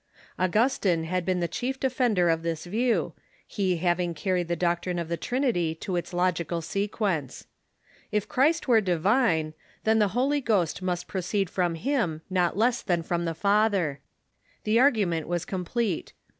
Augustine had been the chief defender of this view, he having carried the doctrine of the Trinity to its logical sequence. If Christ were divine, then the Holy Ghost must proceed from Him not less than from the Father. Tjje argument was complete.